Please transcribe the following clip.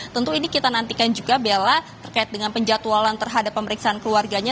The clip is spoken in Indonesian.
tentu ini kita nantikan juga bella terkait dengan penjatualan terhadap pemeriksaan keluarganya